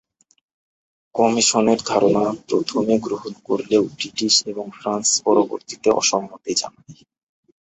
কমিশনের ধারণা প্রথমে গ্রহণ করলেও ব্রিটিশ এবং ফ্রান্স পরবর্তীতে অসম্মতি জানায়।